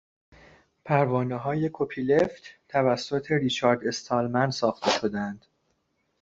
پروانههای کپیلفت توسط ریچارد استالمن ساخته شدهاند